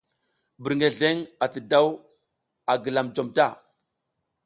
Birngeleŋ ati daw a gilam jom ta.